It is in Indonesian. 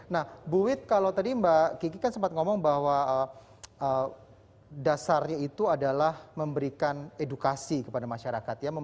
nah bu wit kalau tadi mbak kiki kan sempat ngomong bahwa dasarnya itu adalah memberikan edukasi kepada masyarakat ya